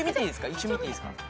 一応見ていいですか？